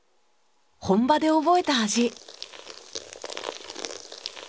本場で覚えた味。